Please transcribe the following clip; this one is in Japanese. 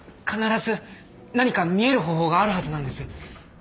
必ず何か見える方法があるはずなんです。